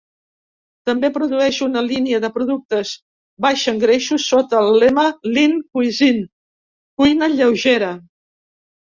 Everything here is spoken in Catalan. També produeix una línia de productes baixa en greixos sota el lema Lean Cuisine (cuina lleugera).